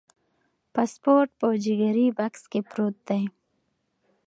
پاسپورت په جګري بکس کې پروت دی.